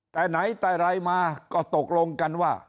แต่ไหนแต่ไรมาก็ตกลงกันว่า